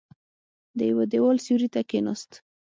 د يوه دېوال سيوري ته کېناست.